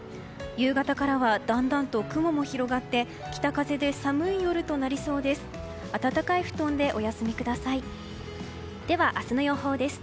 夕方からはだんだんと雲も広がって北風で寒い夜となりそうです。